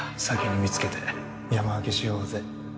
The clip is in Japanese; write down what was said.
先に見つけて山分けしようぜ